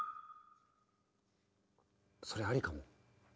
それありかも。